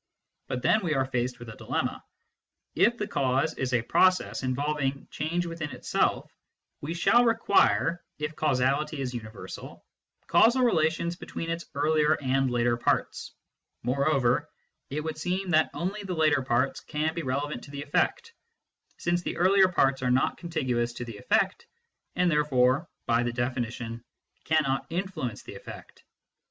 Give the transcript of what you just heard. But then we are faced with a dilemma : if the cause is a process involving change within itself, we shall require (if causality is uni versal) causal relations between its earlier and later parts ; moreover, it would seem that only the later parts can be relevant to the effect, since the earlier parts are not contiguous to the effect, and therefore (by the definition) cannot influence the effect.